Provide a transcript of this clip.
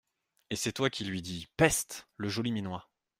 Et c’est toi qui lui dis : Peste ! le joli minois !